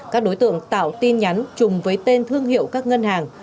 các đối tượng tạo tin nhắn trùng với tên thương hiệu các ngân hàng